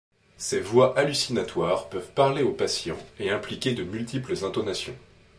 Ces voix hallucinatoires peuvent parler au patient et impliquer de multiples intonations.